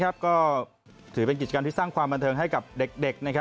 ก็ถือเป็นกิจกรรมที่สร้างความบันเทิงให้กับเด็ก